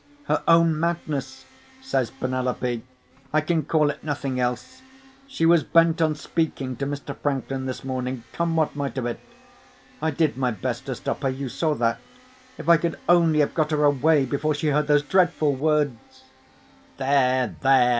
"Her own madness," says Penelope; "I can call it nothing else. She was bent on speaking to Mr. Franklin, this morning, come what might of it. I did my best to stop her; you saw that. If I could only have got her away before she heard those dreadful words——" "There! there!"